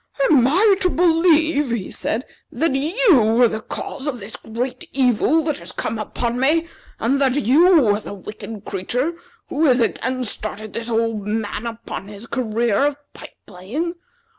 "Am I to believe," he said, "that you are the cause of this great evil that has come upon me? and that you are the wicked creature who has again started this old man upon his career of pipe playing?